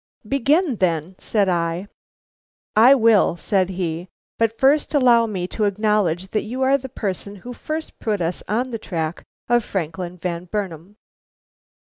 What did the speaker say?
"Begin then," said I. "I will," said he, "but first allow me to acknowledge that you are the person who first put us on the track of Franklin Van Burnam."